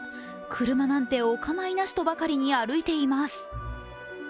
車なんてお構いなしとばかりに歩いています。